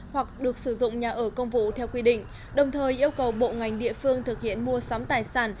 hoặc được sử dụng nhà ở công vụ theo quy định đồng thời yêu cầu bộ ngành địa phương thực hiện mua sắm tài sản